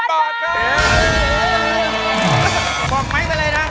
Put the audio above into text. ของไมค์ไปเลยนะ